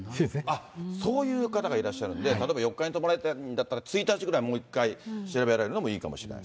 あ、そういう方がいらっしゃるんで、例えば４日に泊まりたいんだったら、１日ぐらいにもう一回調べられるのもいいかもしれない。